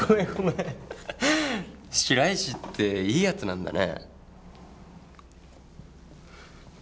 白石っていいやつなんだね。